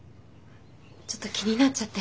ちょっと気になっちゃって。